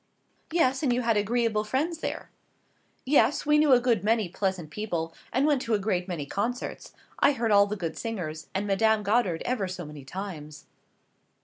"Yes, and you had agreeable friends there." "Yes, we knew a good many pleasant people, and went to a great many concerts. I heard all the good singers, and Madame Goddard ever so many times."